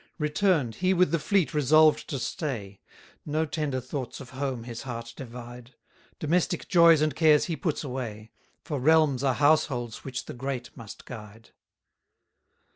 138 Return'd, he with the fleet resolved to stay; No tender thoughts of home his heart divide; Domestic joys and cares he puts away; For realms are households which the great must guide.